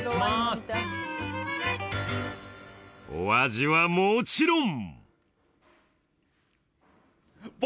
お味はもちろん！